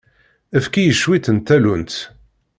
Efk-iyi cwiṭ n tallunt.